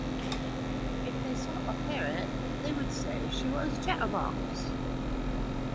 If they saw a parrot, they would say she was a chatterbox.